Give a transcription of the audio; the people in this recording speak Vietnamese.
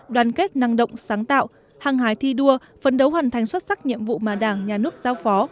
đoàn kết năng động sáng tạo hăng hái thi đua phấn đấu hoàn thành xuất sắc nhiệm vụ mà đảng nhà nước giao phó